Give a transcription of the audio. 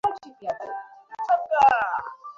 Sir, এটা যুক্তরাষ্ট্রের একটা অ্যাকাউন্ট থেকে এসেছে।